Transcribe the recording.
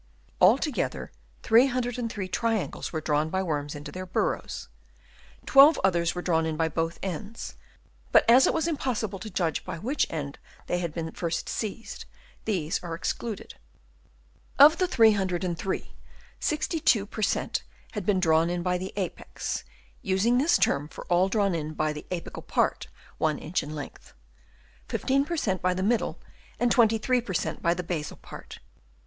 Altogether 303 triangles were drawn by worms into their burrows : 12 others were drawn in by both ends, but as it was im possible to judge by which end they had been first seized, these are excluded. Of the 303, 62 per cent, had been drawn in by the apex (using this term for all drawn in by the apical part, one inch in length) ; 15 per cent, by the middle ; and 23 per cent, by the basal part.